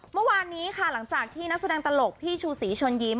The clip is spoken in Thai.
เมื่อวานนี้ค่ะหลังจากที่นักแสดงตลกพี่ชูศรีเชิญยิ้ม